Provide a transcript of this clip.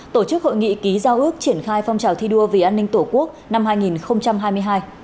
tổ chức hội nghị ký giao ước triển khai phong trào thi đua vì an ninh tổ quốc năm hai nghìn hai mươi hai